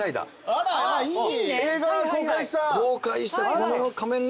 あっいい。